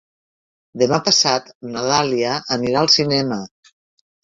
Demà passat na Dàlia anirà al cinema.